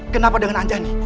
kenapa dengan anjani